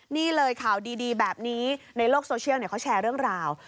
นี่เลยข่าวดีแบบนี้ในโลกโซเชียลเขาแชร์เรื่องราว